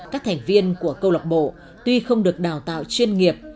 các thành viên của câu lạc bộ tuy không được đào tạo chuyên nghiệp